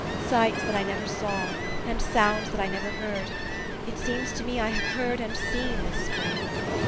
Sights that I never saw, and sounds that I never heard, it seems to me I have heard and seen this spring.